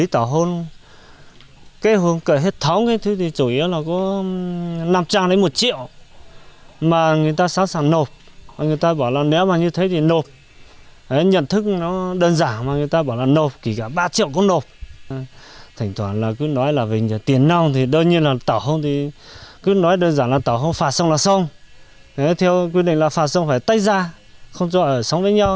theo quy định là phạm xong phải tay ra không cho ở sống với nhau